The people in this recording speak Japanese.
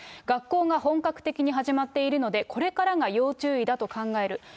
学校が本格的に始まっているので、これからが要注意だと考える。